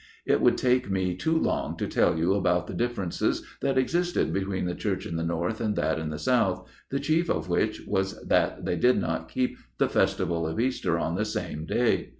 It would take me too long to tell you about the differences that existed between the Church in the North and that in the South, the chief of which was that they did not keep the festival of Easter on the same day.